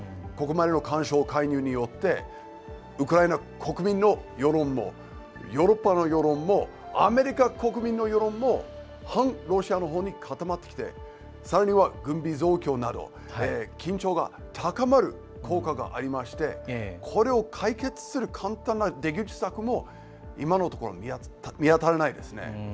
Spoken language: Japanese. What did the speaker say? ここまでの干渉、介入によってウクライナ国民の世論もヨーロッパの世論もアメリカ国民の世論も反ロシアのほうに固まってきてさらには、軍備増強など緊張が高まる効果がありましてそれを解決する簡単な出口策も今のところ見当たらないですね。